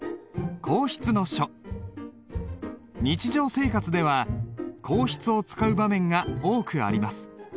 日常生活では硬筆を使う場面が多くあります。